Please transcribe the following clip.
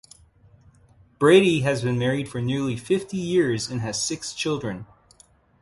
Brady has been married for nearly fifty years and has six children.